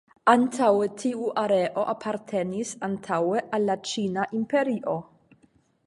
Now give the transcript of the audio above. Antaŭe tiu areo apartenis antaŭe al la Ĉina Imperio.